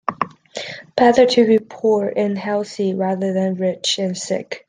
Better to be poor and healthy rather than rich and sick.